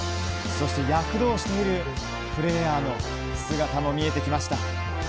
躍動しているプレーヤーの姿も見えてきました。